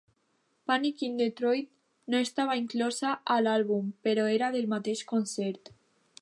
"Panic in Detroit" no estava inclosa a l'àlbum, però era del mateix concert.